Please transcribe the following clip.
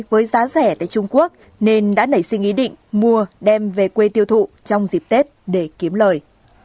với giá rẻ tại trung quốc nên đã nảy sinh ý định mua đem về quê tiêu thụ trong dịp tết để kiếm lời